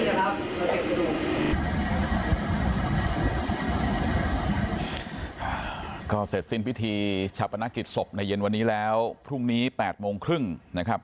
ครอบครัวไม่ได้อาฆาตแต่มองว่ามันช้าเกินไปแล้วที่จะมาแสดงความรู้สึกในตอนนี้